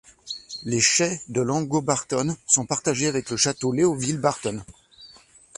Les chais de Langoa Barton sont partagés avec le Château Léoville Barton.